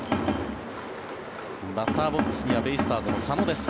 バッターボックスにはベイスターズの佐野です。